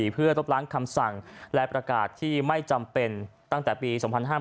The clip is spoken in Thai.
เพื่อลบล้างคำสั่งและประกาศที่ไม่จำเป็นตั้งแต่ปี๒๕๕๘